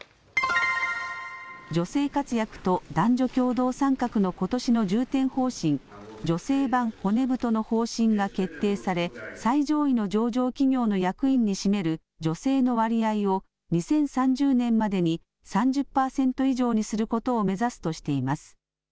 女性活躍と男女共同参画のことしの重点方針、女性版骨太の方針が決定され最上位の上場企業の役員に占める女性の割合を２０３０年までに３０％以上にすることを目指すとしています。